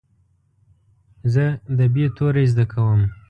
زه د "ب" توری زده کوم.